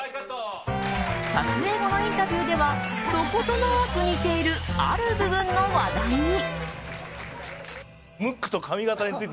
撮影後のインタビューではどことなく似ているある部分の話題に。